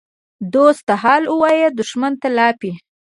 دوست ته حال وایه، دښمن ته لاپې.